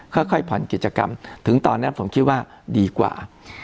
ค่อยผ่อนกิจกรรมถึงตอนนั้นผมคิดว่าดีกว่า